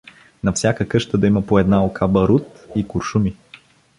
На всяка къща да има по една ока барут и куршуми.